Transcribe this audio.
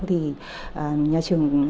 thì nhà trường